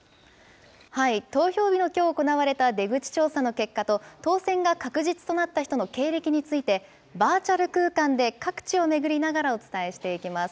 投票日のきょう行われた出口調査の結果と、当選が確実となった人の経歴について、バーチャル空間で各地を巡りながら、お伝えしていきます。